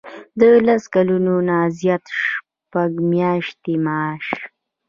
د لس کلونو نه زیات شپږ میاشتې معاش.